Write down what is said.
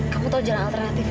kamu tau jalan alternatif